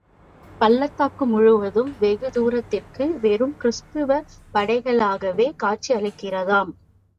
பள்ளத்தாக்கு முழுவதும் வெகு தூரத்திற்கு வெறும் கிறிஸ்தவப் படைகளாகவே காட்சியளிக்கிறதாம்.